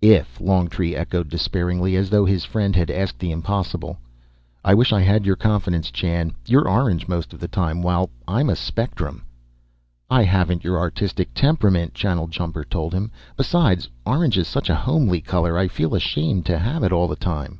"If," Longtree echoed despairingly, as though his friend had asked the impossible. "I wish I had your confidence, Chan; you're orange most of the time, while I'm a spectrum." "I haven't your artistic temperament," Channeljumper told him. "Besides, orange is such a homely color I feel ashamed to have it all the time."